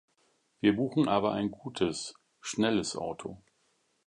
Wir buchen aber ein gutes, schnelles Auto.